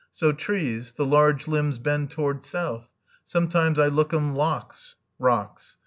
So trees, the large limbs bend toward south. Sometimes I lookum locks" (rocks).